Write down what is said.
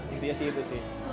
intinya sih itu sih